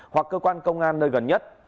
hoặc cơ quan công an nơi gần nhất